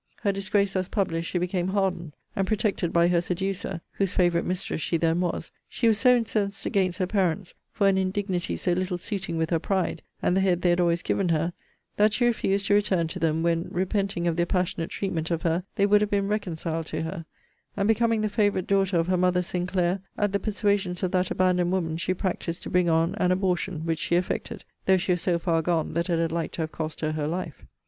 Her disgrace thus published, she became hardened; and, protected by her seducer, whose favourite mistress she then was, she was so incensed against her parents for an indignity so little suiting with her pride, and the head they had always given her, that she refused to return to them, when, repenting of their passionate treatment of her, they would have been reconciled to her: and, becoming the favourite daughter of her mother Sinclair, at the persuasions of that abandoned woman she practised to bring on an abortion, which she effected, though she was so far gone that it had like to have cost her her life.